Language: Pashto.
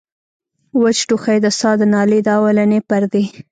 وچ ټوخی د ساه د نالۍ د اولنۍ پردې